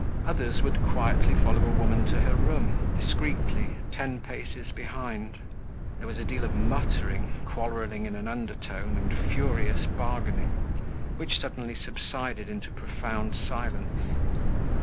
Others would quietly follow a woman to her room, discreetly, ten paces behind. There was a deal of muttering, quarreling in an undertone and furious bargaining, which suddenly subsided into profound silence.